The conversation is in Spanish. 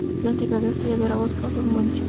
En castellano: "Eva busca un buen psicólogo.